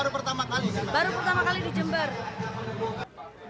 baru pertama kali di jember